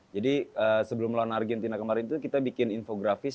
jadi sebelum melawan argi yang tindak kemarin itu kita bikin infografis